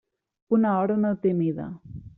Una hora no té mida.